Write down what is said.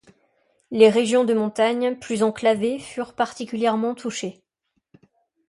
Les régions de montagne, plus enclavées furent particulièrement touchées.